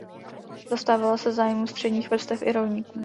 Zastávala se zájmů středních vrstev i rolníků.